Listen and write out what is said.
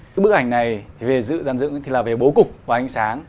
cái bức ảnh này thì về giữ gian dựng thì là về bố cục và ánh sáng